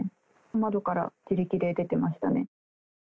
窓から自力で出てましたね。